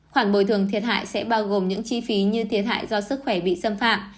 khoản bồi thường thiệt hại sẽ bao gồm những chi phí như thiệt hại do sức khỏe bị xâm phạm